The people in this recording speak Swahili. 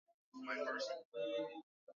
Bana shindwa kumunyangula juya bunene bwake